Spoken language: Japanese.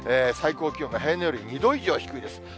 最高気温が平年より２度以上低いです。